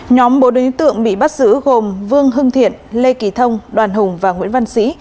nhóm bốn đối tượng bị bắt giữ gồm vương hưng thiện lê kỳ thông đoàn hùng và nguyễn văn sĩ